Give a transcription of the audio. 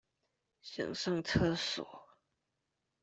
想上廁所